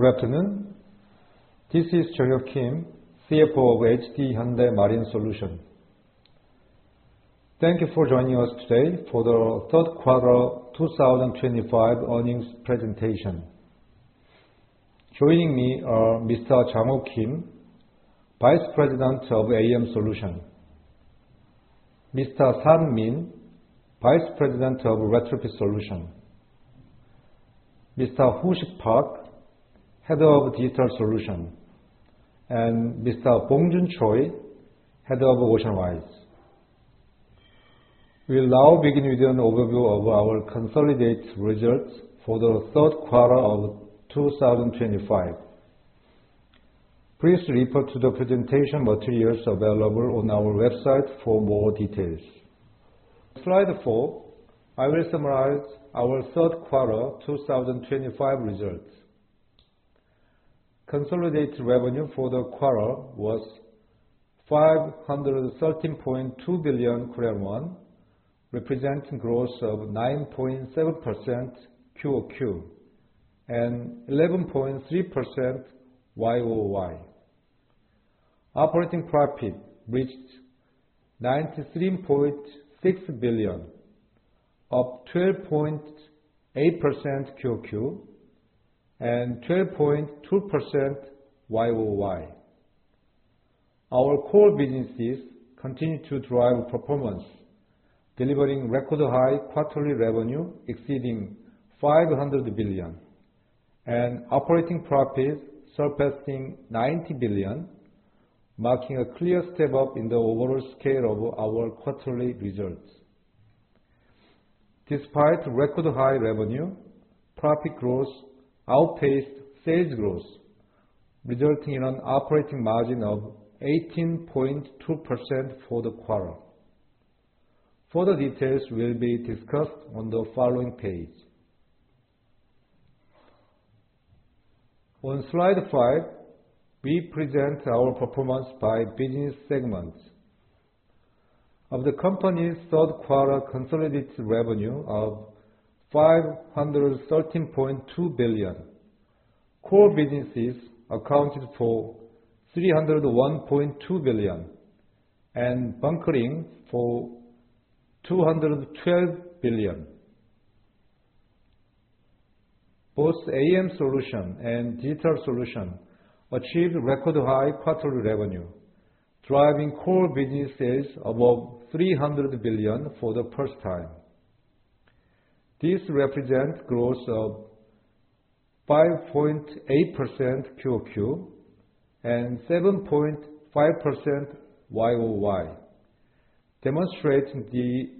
Good afternoon. This is Jeong Hyuk Kim, CFO of HD Hyundai Marine Solution. Thank you for joining us today for the third quarter 2025 earnings presentation. Joining me are Mr. Jangho Kim, Vice President of AM Solutions, Mr. San Min, Vice President of Retrofit Solution, Mr. Hoo-Sik Park, Head of Digital Solution, and Mr. Bong Jun Choi, Head of OceanWise. We'll now begin with an overview of our consolidated results for the third quarter of 2025. Please refer to the presentation materials available on our website for more details. Slide four, I will summarize our third quarter 2025 results. Consolidated revenue for the quarter was 513.2 billion Korean won, representing growth of 9.7% QoQ and 11.3% YoY. Operating profit reached KRW 93.6 billion, up 12.8% QoQ and 12.2% YoY. Our core businesses continue to drive performance, delivering record-high quarterly revenue exceeding 500 billion and operating profit surpassing 90 billion, marking a clear step up in the overall scale of our quarterly results. Despite record-high revenue, profit growth outpaced sales growth, resulting in an operating margin of 18.2% for the quarter. Further details will be discussed on the following page. On slide five, we present our performance by business segments. Of the company's third quarter consolidated revenue of 513.2 billion, core businesses accounted for 301.2 billion and bunkering for 212 billion. Both AM Solution and Digital Solution achieved record-high quarterly revenue, driving core business sales above 300 billion for the first time. This represents growth of 5.8% QoQ and 7.5% YoY, demonstrating the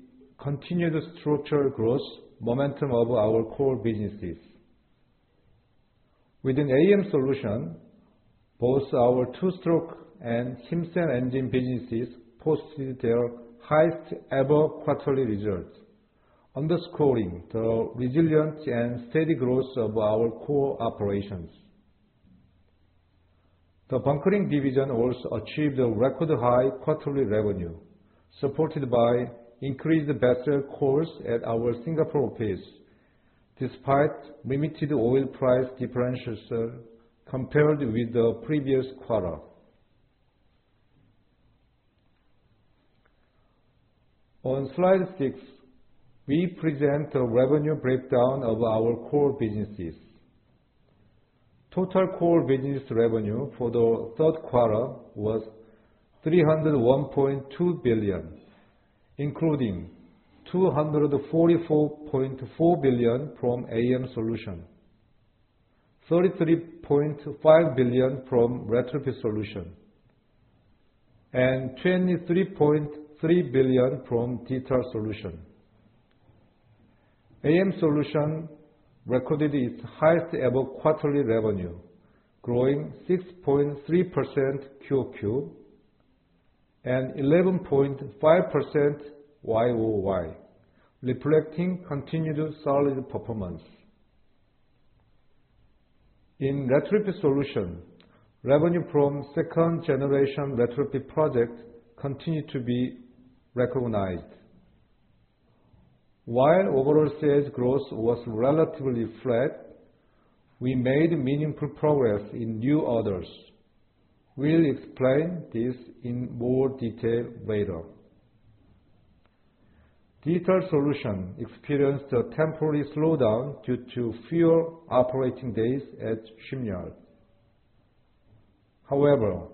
continued structural growth momentum of our core businesses. Within AM Solution, both our 2-Stroke and HiMSEN engine businesses posted their highest-ever quarterly results, underscoring the resilient and steady growth of our core operations. The bunkering division also achieved a record-high quarterly revenue, supported by increased vessel calls at our Singapore base despite limited oil price differentials compared with the previous quarter. On slide six, we present the revenue breakdown of our core businesses. Total core business revenue for the third quarter was 301.2 billion, including 244.4 billion from AM Solution, 33.5 billion from Retrofit Solution, and 23.3 billion from Digital Solution. AM Solution recorded its highest-ever quarterly revenue, growing 6.3% QoQ and 11.5% YoY, reflecting continued solid performance. In Retrofit Solution, revenue from second-generation retrofit projects continued to be recognized. While overall sales growth was relatively flat, we made meaningful progress in new orders. We'll explain this in more detail later. Digital Solution experienced a temporary slowdown due to fewer operating days at shipyard. However,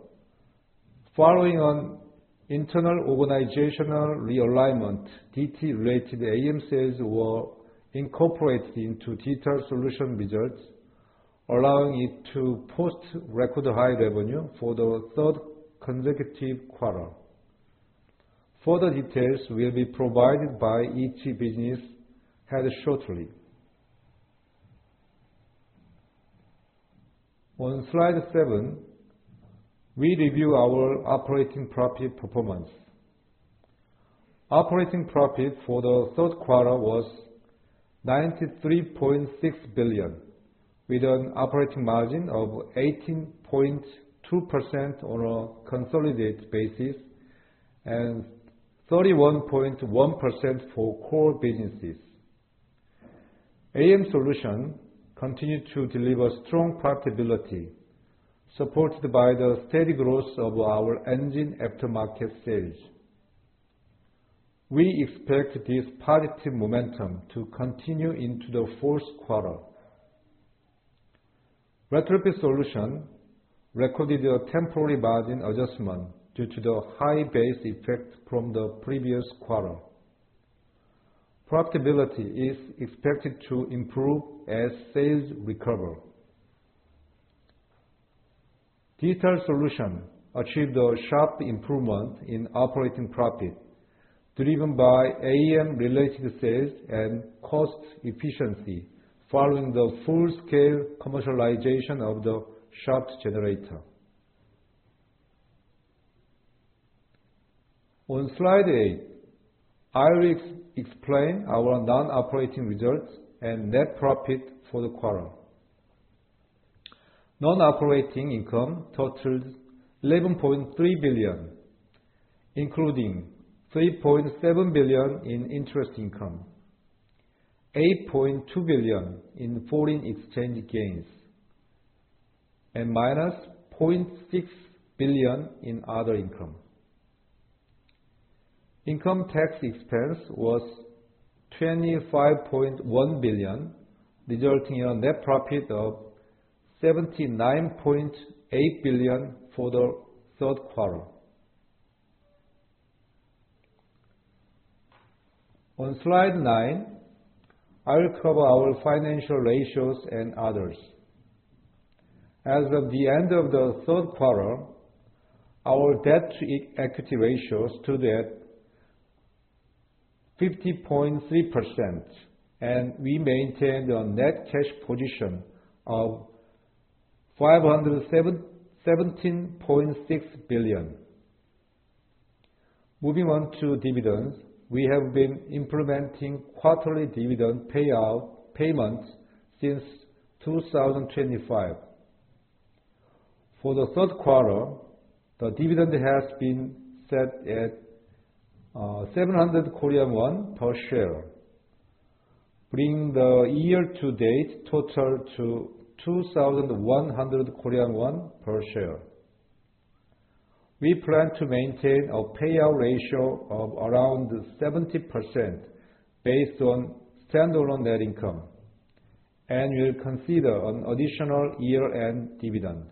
following an internal organizational realignment, DT-related AM sales were incorporated into Digital Solution results, allowing it to post record-high revenue for the third consecutive quarter. Further details will be provided by each business head shortly. On slide seven, we review our operating profit performance. Operating profit for the third quarter was 93.6 billion, with an operating margin of 18.2% on a consolidated basis and 31.1% for core businesses. AM Solution continued to deliver strong profitability, supported by the steady growth of our engine aftermarket sales. We expect this positive momentum to continue into the fourth quarter. Retrofit Solution recorded a temporary margin adjustment due to the high base effect from the previous quarter. Profitability is expected to improve as sales recover. Digital Solution achieved a sharp improvement in operating profit, driven by AM-related sales and cost efficiency following the full-scale commercialization of the shaft generator. On slide eight, I will explain our non-operating results and net profit for the quarter. Non-operating income totaled 11.3 billion, including 3.7 billion in interest income, 8.2 billion in foreign exchange gains, and -0.6 billion in other income. Income tax expense was 25.1 billion, resulting in a net profit of 79.8 billion for the third quarter. On slide nine, I will cover our financial ratios and others. As of the end of the third quarter, our debt-to-equity ratio stood at 50.3%, and we maintained a net cash position of 517.6 billion. Moving on to dividends, we have been implementing quarterly dividend payout payments since 2025. For the third quarter, the dividend has been set at 700 Korean won per share, bringing the year-to-date total to 2,100 Korean won per share. We plan to maintain a payout ratio of around 70% based on standalone net income, and we'll consider an additional year-end dividend.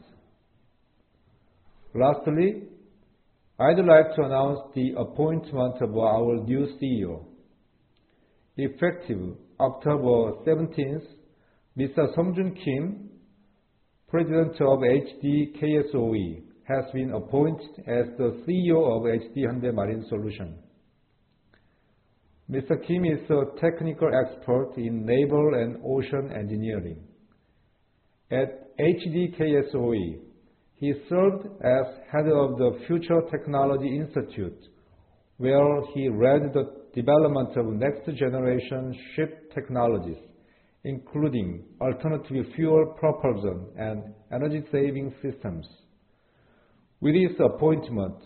Lastly, I'd like to announce the appointment of our new CEO. Effective October 17, Mr. Sung Joon Kim, President of HD KSOE, has been appointed as the CEO of HD Hyundai Marine Solution. Mr. Kim is a technical expert in naval and ocean engineering. At HD KSOE, he served as Head of the Future Technology Institute, where he led the development of next-generation ship technologies, including alternative fuel propulsion and energy-saving systems. With this appointment,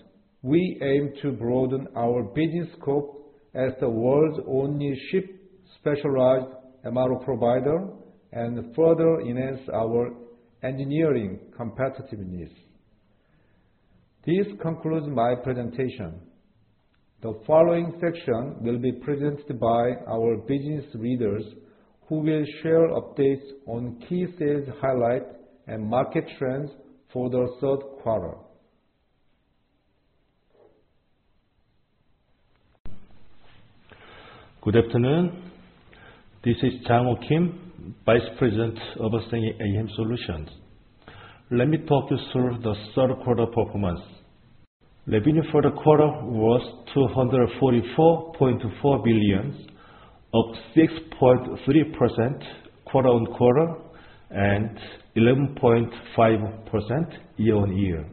we aim to broaden our business scope as the world's only ship-specialized MRO provider and further enhance our engineering competitiveness. This concludes my presentation. The following section will be presented by our business leaders, who will share updates on key sales highlights and market trends for the third quarter. Good afternoon. This is Jang Ho Kim, Vice President of AM Solutions. Let me talk you through the third quarter performance. Revenue for the quarter was 244.4 billion, up 6.3% quarter-on-quarter and 11.5% year-on-year.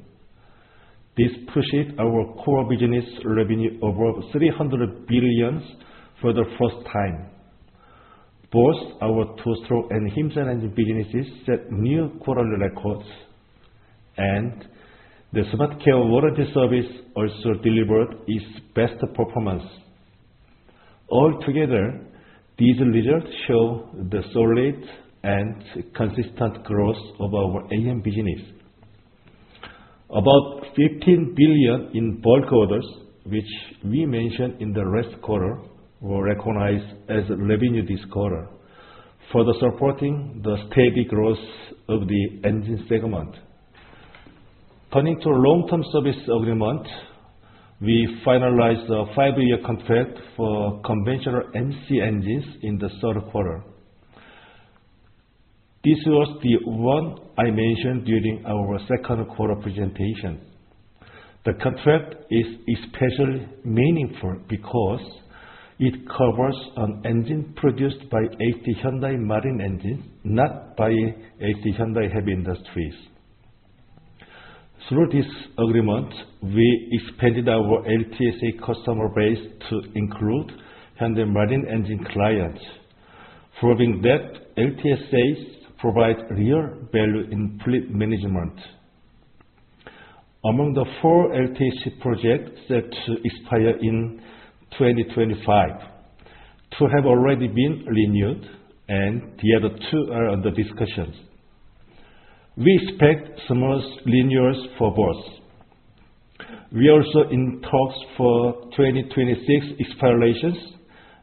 This pushed our core business revenue above 300 billion for the first time. Both our 2-Stroke and HiMSEN engine businesses set new quarterly records, and the SmartCare warranty service also delivered its best performance. Altogether, these results show the solid and consistent growth of our AM business. About 15 billion in bulk orders, which we mentioned in the last quarter, were recognized as revenue this quarter, further supporting the steady growth of the engine segment. Turning to long-term service agreement, we finalized a five-year contract for conventional MC engines in the third quarter. This was the one I mentioned during our second quarter presentation. The contract is especially meaningful because it covers an engine produced by HD Hyundai Marine Engine, not by HD Hyundai Heavy Industries. Through this agreement, we expanded our LTSA customer base to include Hyundai Marine Engine clients. Proving that LTSAs provide real value in fleet management. Among the four LTSA projects set to expire in 2025, two have already been renewed, and the other two are under discussion. We expect some renewals for both. We're also in talks for 2026 expirations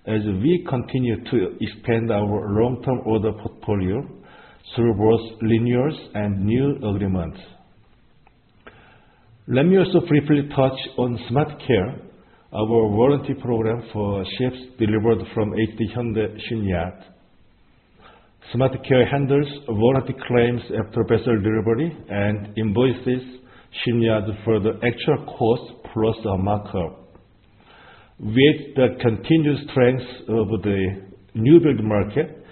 as we continue to expand our long-term order portfolio through both renewals and new agreements. Let me also briefly touch on SmartCare, our warranty program for ships delivered from HD Hyundai shipyard. SmartCare handles warranty claims after vessel delivery and invoices shipyard for the actual cost plus a markup. With the continued strength of the new build market,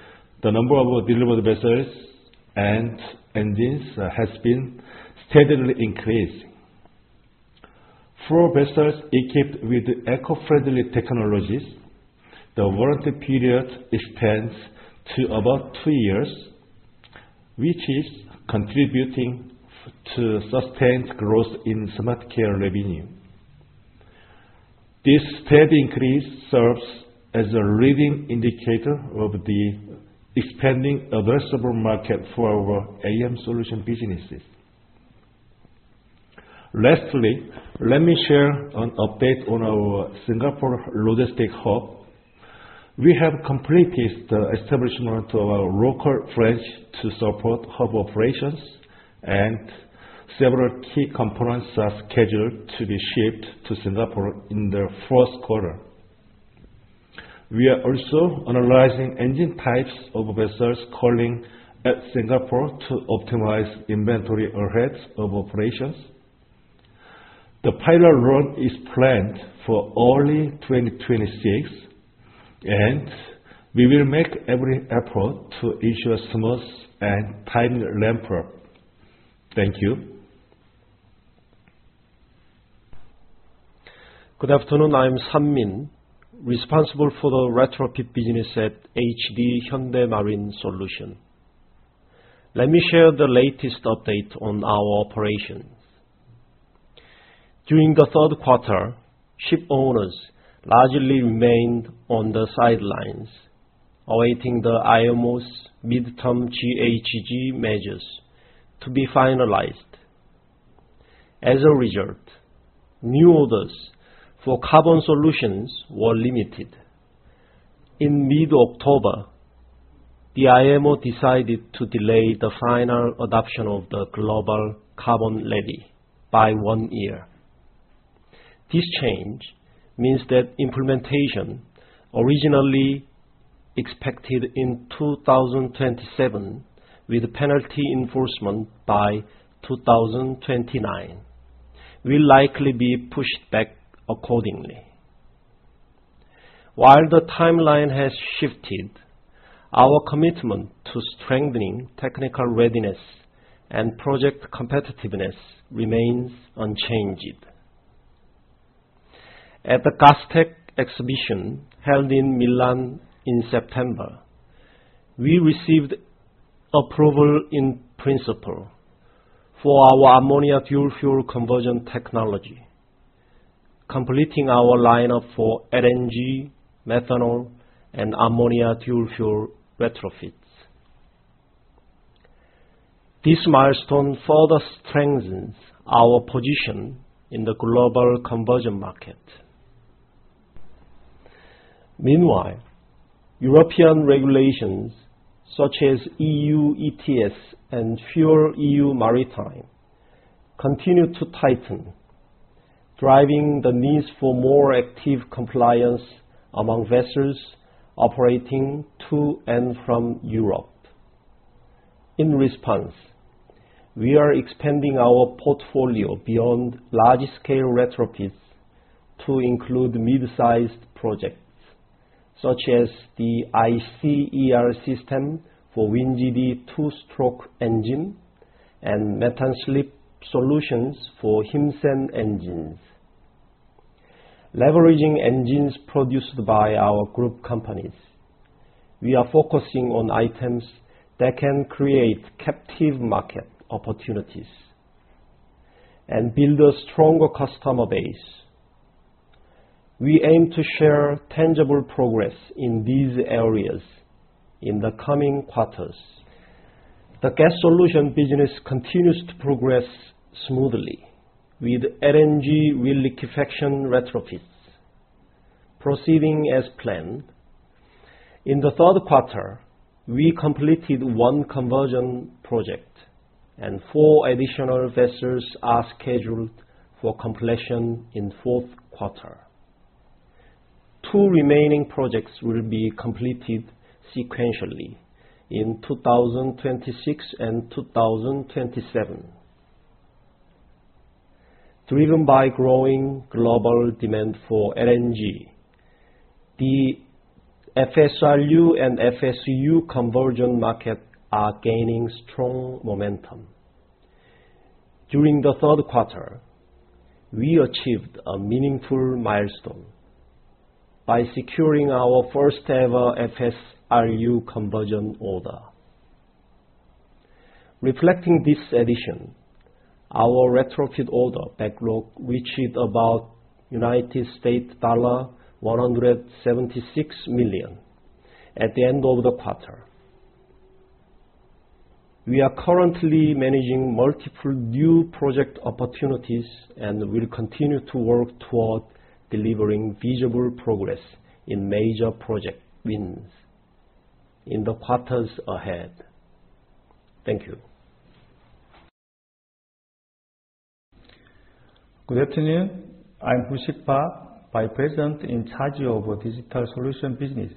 the number of delivered vessels and engines has been steadily increasing. For vessels equipped with eco-friendly technologies, the warranty period extends to about two years, which is contributing to sustained growth in SmartCare revenue. This steady increase serves as a leading indicator of the expanding addressable market for our AM Solution businesses. Lastly, let me share an update on our Singapore logistics hub. We have completed the establishment of our local branch to support hub operations, and several key components are scheduled to be shipped to Singapore in the fourth quarter. We are also analyzing engine types of vessels calling at Singapore to optimize inventory and overheads of operations. The pilot run is planned for early 2026, and we will make every effort to ensure smooth and timely ramp-up. Thank you. Good afternoon. I'm San Min, responsible for the retrofit business at HD Hyundai Marine Solution. Let me share the latest update on our operations. During the third quarter, ship owners largely remained on the sidelines, awaiting the IMO's midterm GHG measures to be finalized. As a result, new orders for carbon solutions were limited. In mid-October, the IMO decided to delay the final adoption of the global carbon levy by one year. This change means that implementation originally expected in 2027, with penalty enforcement by 2029, will likely be pushed back accordingly. While the timeline has shifted, our commitment to strengthening technical readiness and project competitiveness remains unchanged. At the Gastech exhibition held in Milan in September, we received approval in principle for our ammonia fuel conversion technology, completing our lineup for LNG, methanol, and ammonia fuel retrofits. This milestone further strengthens our position in the global conversion market. Meanwhile, European regulations such as EU ETS and FuelEU Maritime continue to tighten, driving the needs for more active compliance among vessels operating to and from Europe. In response, we are expanding our portfolio beyond large-scale retrofits to include mid-sized projects such as the iCER system for WinGD, 2-Stroke engine and Methane Slip Solutions for HiMSEN engines. Leveraging engines produced by our group companies, we are focusing on items that can create captive market opportunities and build a stronger customer base. We aim to share tangible progress in these areas in the coming quarters. The gas solution business continues to progress smoothly with LNG reliquefaction retrofits, proceeding as planned. In the third quarter, we completed one conversion project, and four additional vessels are scheduled for completion in the fourth quarter. Two remaining projects will be completed sequentially in 2026 and 2027. Driven by growing global demand for LNG, the FSRU and FSU conversion market are gaining strong momentum. During the third quarter, we achieved a meaningful milestone by securing our first-ever FSRU conversion order. Reflecting this addition, our retrofit order backlog reached about $176 million at the end of the quarter. We are currently managing multiple new project opportunities and will continue to work toward delivering visible progress in major project wins in the quarters ahead. Thank you. Good afternoon. I'm Hoo-Sik Park, Vice President in charge of digital solution business.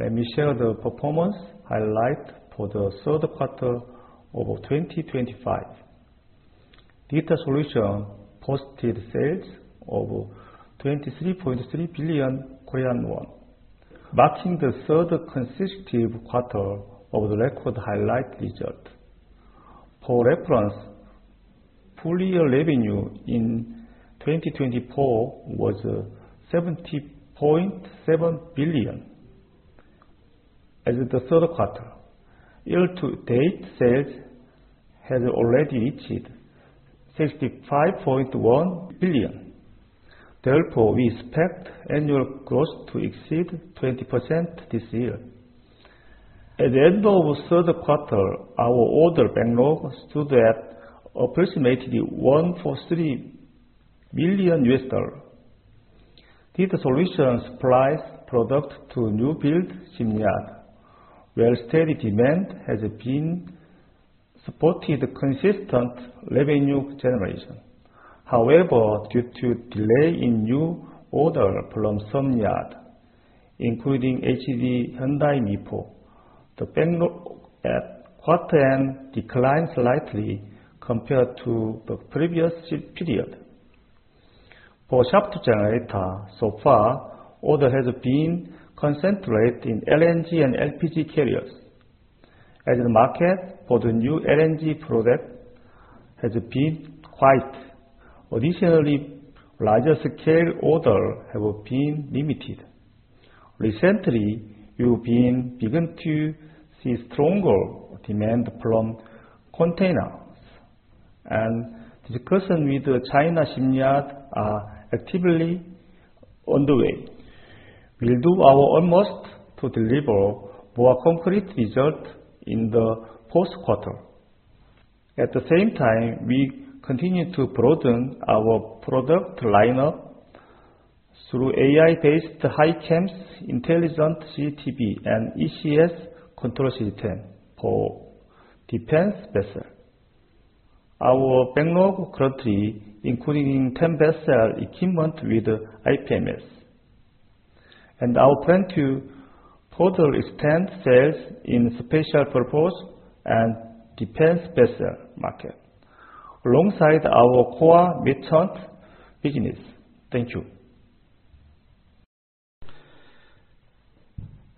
Let me share the performance highlight for the third quarter of 2025. Digital Solution posted sales of 23.3 billion Korean won, marking the third consecutive quarter of the record-high result. For reference, full year revenue in 2024 was 70.7 billion. As the third quarter, year-to-date sales had already reached 65.1 billion. Therefore, we expect annual growth to exceed 20% this year. At the end of the third quarter, our order backlog stood at approximately $143 million. Digital Solution supplies product to new build shipyard, where steady demand has been supporting consistent revenue generation. However, due to delay in new order from some yard, including HD Hyundai Mipo, the backlog at quarter-end declined slightly compared to the previous period. For shaft generator, so far, order has been concentrated in LNG and LPG carriers, as the market for the new LNG product has been quiet. Additionally, larger scale orders have been limited. Recently, we've been beginning to see stronger demand from containers, and discussions with China shipyard are actively underway. We'll do our utmost to deliver more concrete results in the fourth quarter. At the same time, we continue to broaden our product lineup through AI-based HiCAMS, intelligent CCTV, and ECS control system for defense vessels. Our backlog currently includes 10 vessels equipped with IPMS, and our plan to further extend sales in special purpose and defense vessel market alongside our core midterm business. Thank you.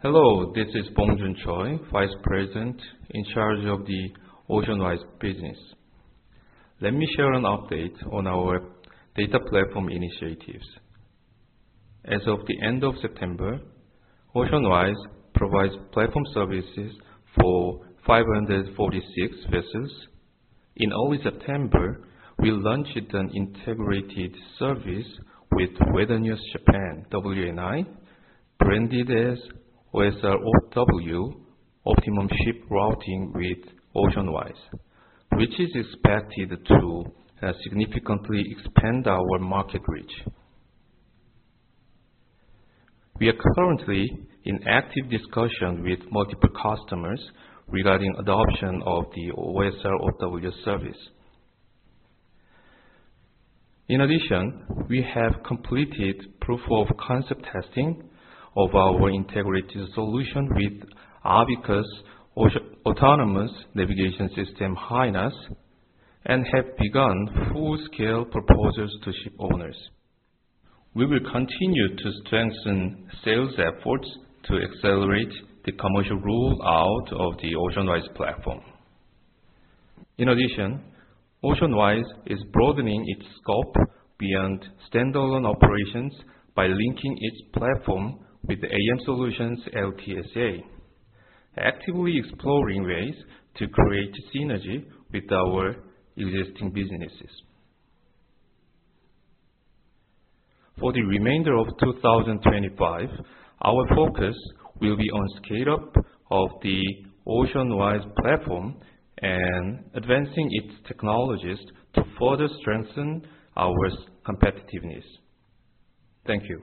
Hello, this is Bong Jun Choi, Vice President in charge of the OceanWise business. Let me share an update on our data platform initiatives. As of the end of September, OceanWise provides platform services for 546 vessels. In early September, we launched an integrated service with Weathernews Japan (WNI), branded as OSR-OW (Optimum Ship Routing with OceanWise), which is expected to significantly expand our market reach. We are currently in active discussion with multiple customers regarding adoption of the OSR-OW service. In addition, we have completed proof-of-concept testing of our integrated solution with Avikus Autonomous Navigation System HiNAS and have begun full-scale proposals to ship owners. We will continue to strengthen sales efforts to accelerate the commercial rollout of the OceanWise platform. In addition, OceanWise is broadening its scope beyond standalone operations by linking its platform with AM Solutions LTSA, actively exploring ways to create synergy with our existing businesses. For the remainder of 2025, our focus will be on the scale-up of the OceanWise platform and advancing its technologies to further strengthen our competitiveness. Thank you.